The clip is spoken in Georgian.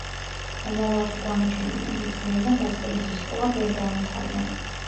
მომავალში გამოჩენილმა მეცნიერმა დაწყებითი სკოლა ვერ დაამთავრა.